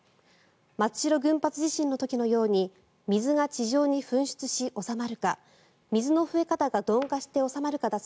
松代群発地震の時のように水が地上に噴出し、収まるか水の増え方が鈍化して収まるかだ